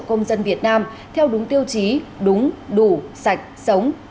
công dân việt nam theo đúng tiêu chí đúng đủ sạch sống